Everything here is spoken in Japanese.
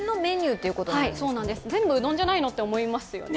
そうなんです、全部うどんじゃないの？って思いますよね。